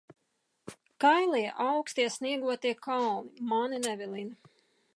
Kailie, aukstie, sniegotie kalni mani nevilina.